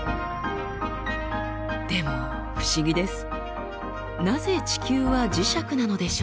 でも不思議です。